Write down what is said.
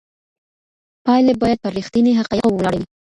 پایلي باید پر رښتیني حقایقو وولاړي وي.